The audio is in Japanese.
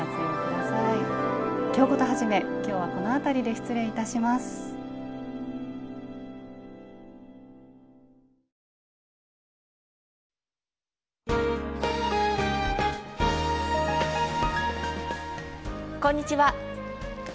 こんにちは。